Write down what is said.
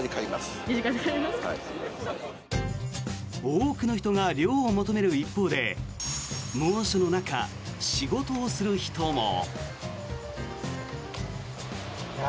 多くの人が涼を求める一方で猛暑の中、仕事をする人も。